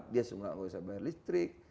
dia juga bisa bayar listrik